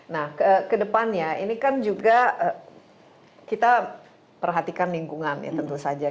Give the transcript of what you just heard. nah kedepannya ini kan juga kita perhatikan lingkungan ya tentu saja